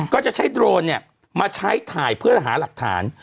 ก็จะใช้โดรนเนี่ยมาใช้ถ่ายเพื่อหาหลักฐาน